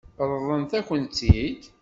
Ṛeḍlent-akent-tt-id?